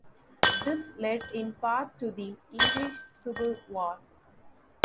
This led in part to the English Civil War.